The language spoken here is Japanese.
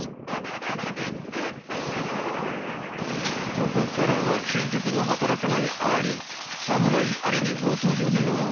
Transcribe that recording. ここからは究極の働かないアリサムライアリにご登場ねがおう。